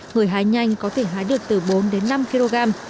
người hái nhanh có thể hái được từ bốn đến năm kg